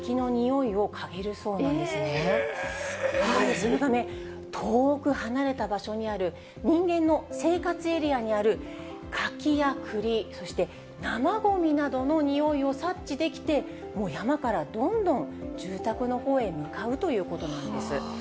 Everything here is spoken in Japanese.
それがね、遠く離れた場所にある人間の生活エリアにある柿やくり、そして、生ごみなどの匂いを察知できて、もう山からどんどん住宅のほうへ向かうということなんです。